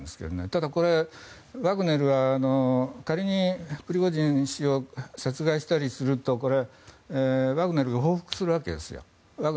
ただ、ワグネルは仮にプリゴジン氏を殺害したりするとワグネルが報復するわけです。